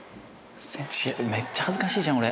めっちゃ恥ずかしいじゃん俺。